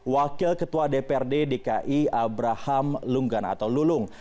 wakil ketua dprd dki abraham lunggan atau lulung